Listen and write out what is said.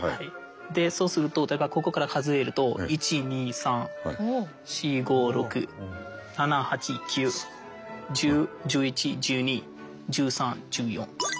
でそうするとここから数えると１２３４５６７８９１０１１１２１３１４。